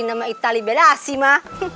nama itali bela asima